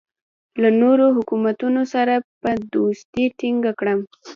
له نورو حکومتونو سره به دوستي ټینګه کړم.